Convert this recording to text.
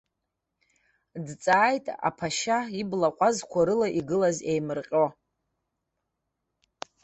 Дҵааит аԥашьа, ибла ҟәазқәа рыла игылаз еимырҟьо.